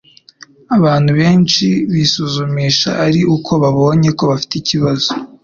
abantu benshi bisuzumisha ari uko babonye ko bafite ikibazo